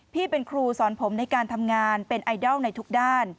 พี่เป็นครูสอนผมในการทำงานเป็นไอดอลในทุกด้าน